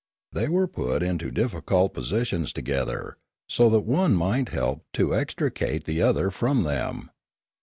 They were put into difficult positions together, so that one might help to extricate the other from them.